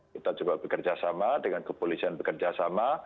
kita juga bekerja sama dengan kepolisian bekerja sama